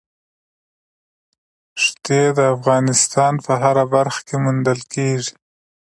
ښتې د افغانستان په هره برخه کې موندل کېږي.